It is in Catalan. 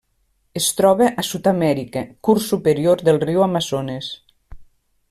Es troba a Sud-amèrica: curs superior del riu Amazones.